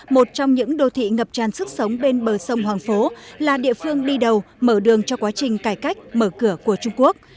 một trong những đô thị ngập tràn sức sống bên bờ sông hoàng phố là địa phương đi đầu mở đường cho quá trình cải cách mở cửa của trung quốc